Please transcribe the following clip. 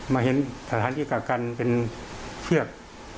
มาเห็นสถานที่กักกันเป็นเชือก